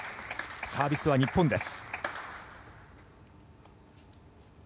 サービスは日本です。